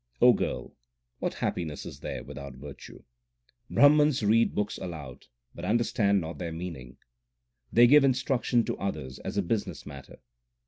O girl, what happiness is there without virtue ? Brahmans read books aloud, but understand not their meaning. They give instruction to others as a business matter.